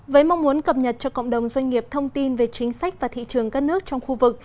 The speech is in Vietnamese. với mong muốn cập nhật cho cộng đồng doanh nghiệp thông tin về chính sách và thị trường các nước trong khu vực